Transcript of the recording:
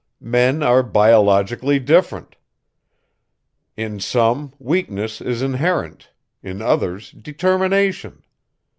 Men are biologically different. In some weakness is inherent, in others determination.